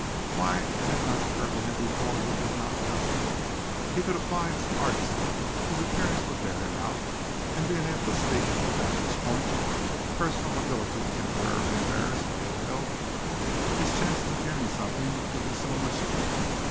Why it had not occurred to him before he did not know. He could apply as an artist his appearance would bear him out, and being able to speak from the vantage point of personal ability temporarily embarrassed by ill health, his chances of getting something would be so much better.